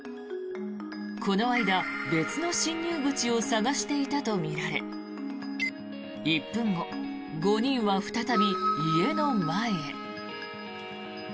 この間、別の侵入口を探していたとみられ１分後、５人は再び家の前へ。